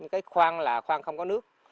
cái khoang là khoang không có nước